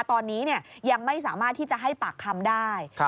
ตอนนี้ยังไม่สามารถที่จะให้ปากคำได้